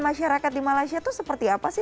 masyarakat di malaysia itu seperti apa sih